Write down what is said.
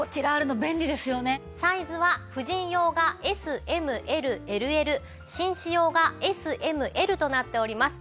サイズは婦人用がＳＭＬＬＬ紳士用がＳＭＬとなっております。